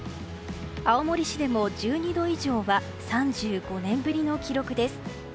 青森市でも１２度以上は３５年ぶりの記録です。